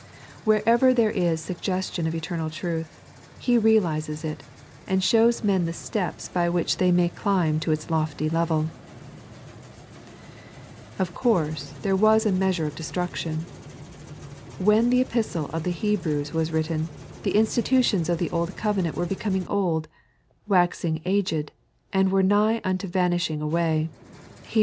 WhereTer there is suggeetion of eternal truth, He realizes it, and shows men the steps by which they may climb to its lofty level. QfcowM, there vtaa a m^aetere of destruction. When the Epistle of the Hebrews was written, the institutfons of the old covenant were becoming old, waxing aged, and were nigb unto vanishing away (Heb.